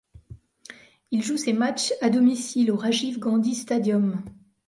Il joue ses matchs à domicile au Rajiv Gandhi Stadium.